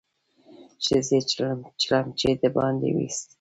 ښځې چلمچي د باندې ويست.